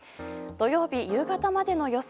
土曜日夕方までの予想